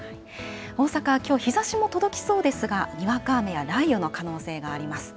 大阪はきょう日ざしも届きそうですが、にわか雨や雷雨の可能性があります。